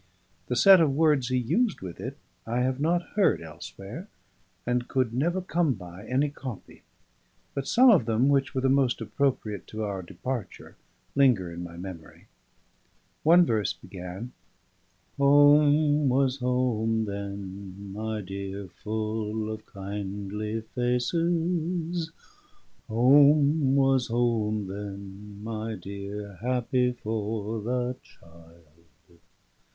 The set of words he used with it I have not heard elsewhere, and could never come by any copy; but some of them which were the most appropriate to our departure linger in my memory. One verse began "Home was home then, my dear, full of kindly faces; Home was home then, my dear, happy for the child."